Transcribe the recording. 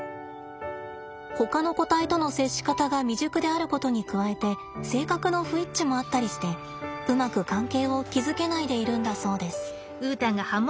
ほかの個体との接し方が未熟であることに加えて性格の不一致もあったりしてうまく関係を築けないでいるんだそうです。